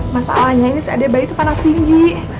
masalahnya ini seada bayi itu panas tinggi